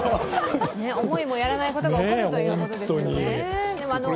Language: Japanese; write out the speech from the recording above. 思いも寄らないことが起こるということですね。